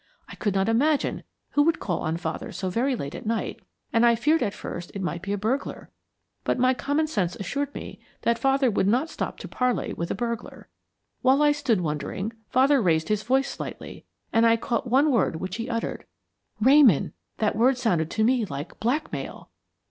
I could not imagine who would call on father so very late at night, and I feared at first it might be a burglar, but my common sense assured me that father would not stop to parley with a burglar. While I stood wondering, father raised his voice slightly, and I caught one word which he uttered. Ramon, that word sounded to me like 'blackmail!'